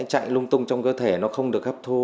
chạy lung tung trong cơ thể nó không được hấp thu